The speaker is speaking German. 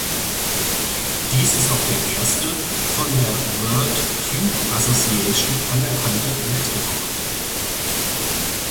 Dies ist auch der erste von der World Cube Association anerkannte Weltrekord.